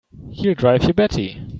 He'll drive you batty!